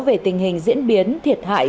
về tình hình diễn biến thiệt hại